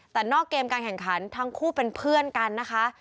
แต่นอกเกมการแข่งขันทั้งคู่เป็นเพื่อนกันนะคะ